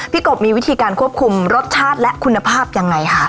กบมีวิธีการควบคุมรสชาติและคุณภาพยังไงคะ